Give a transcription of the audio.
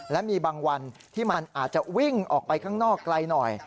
และมีบางวันที่มันอาจจะวิ่งออกไปข้างนอกไกลหน่อย